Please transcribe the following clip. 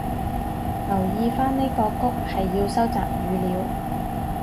留意返呢個谷係要收集語料